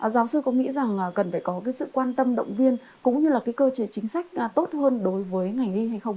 giáo sư có nghĩ rằng cần phải có cái sự quan tâm động viên cũng như là cái cơ chế chính sách tốt hơn đối với ngành y hay không ạ